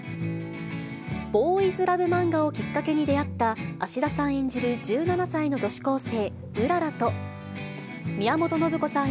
ボーイズラブ漫画をきっかけに出会った、芦田さん演じる１７歳の女子高生、うららと、宮本信子さん